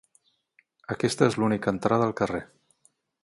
Aquesta és l'única entrada al carrer.